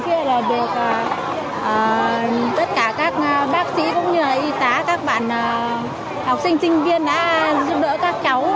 khi được tất cả các bác sĩ cũng như y tá các bạn học sinh sinh viên đã giúp đỡ các cháu